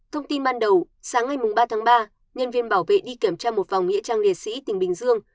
thông tin ban đầu sáng ngày ba tháng ba nhân viên bảo vệ đi kiểm tra một phòng nghĩa trang liệt sĩ tỉnh bình dương